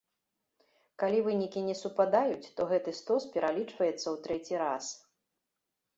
Калі вынікі не супадаюць, то гэты стос пералічваецца ў трэці раз.